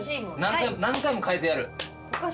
何回も変えてやる。